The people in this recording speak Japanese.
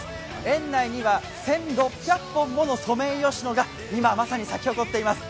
園内には１６００本ものソメイヨシノが今、まさに咲き誇っています。